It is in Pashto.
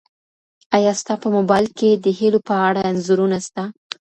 ایا ستا په موبایل کي د هیلو په اړه انځورونه سته؟